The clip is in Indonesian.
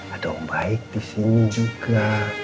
ada om baik disini juga